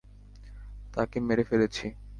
তাকে মেরে ফেলেছি।